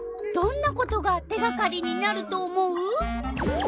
どんなことが手がかりになると思う？